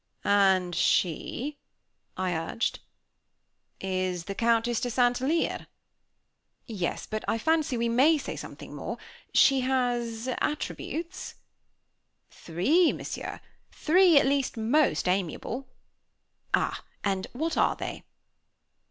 "And she?" I urged "Is the Countess de St. Alyre." "Yes; but I fancy we may say something more? She has attributes?" "Three, Monsieur, three, at least most amiable." "Ah! And what are they?"